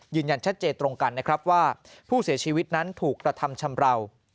ยืนยันชัดเจนตรงกันนะครับว่าผู้เสียชีวิตนั้นถูกกระทำชำราว